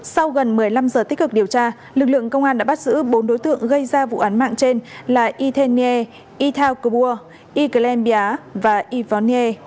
sau gần một mươi năm giờ tích cực điều tra lực lượng công an đã bắt giữ bốn đối tượng gây ra vụ án mạng trên là itenye itau cô bua iclembia và ivonne